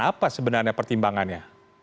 apa sebenarnya pertimbangannya